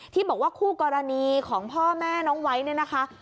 ที่บอกว่าคู่กรณีของพ่อแม่น้องไว้เนี่ยนะคะ